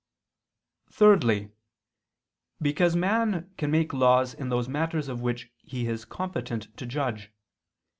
Thirdly, because man can make laws in those matters of which he is competent to judge.